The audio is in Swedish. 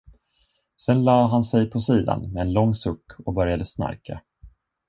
Sen lade han sig på sidan med en lång suck och började snarka.